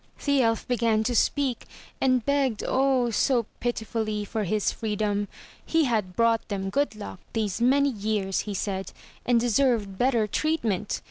The elf began to speak, and begged, oh! so pitifully, for his freedom. He had brought them good luck these many years, he said, and deserved better treatment.